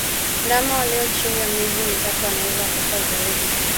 Ndama walio chini ya miezi mitatu wanaweza kufa zaidi